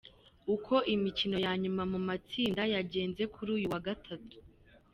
Uko imikino ya nyuma mu matsinda yagenze kuri uyu wa Gatatu.